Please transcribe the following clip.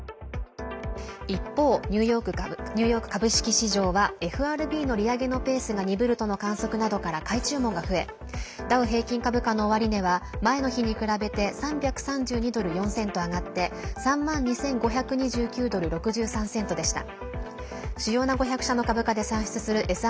一方、ニューヨーク株式市場はＦＲＢの利上げのペースが鈍るとの観測などから買い注文が増えダウ平均株価の終値は前の日に比べて３３２ドル４セント上がって３万２５２９ドル６３セントでした。